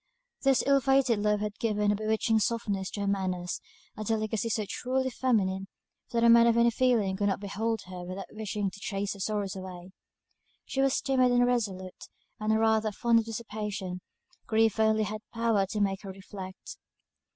This ill fated love had given a bewitching softness to her manners, a delicacy so truly feminine, that a man of any feeling could not behold her without wishing to chase her sorrows away. She was timid and irresolute, and rather fond of dissipation; grief only had power to make her reflect.